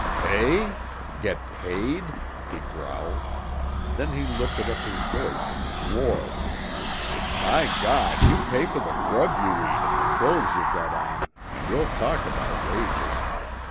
"Hey? Get paid?" he growled. Then he lifted up his voice and swore: "By God, you pay for the grub you eat and the clothes you got on an' we'll talk about wages.